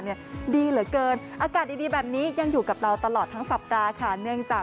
ดีเหลือเกินอากาศดีแบบนี้ยังอยู่กับเราตลอดทั้งสัปดาห์ค่ะเนื่องจาก